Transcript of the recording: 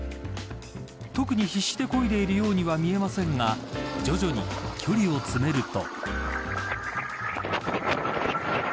特に必死にこいでいるようには見えませんが徐々に距離を詰めると。